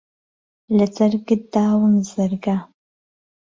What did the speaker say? له جهرگت داووم زەرگه